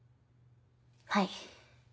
はい。